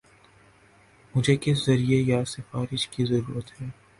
مجھے کس ذریعہ یا سفارش کی ضرورت ہے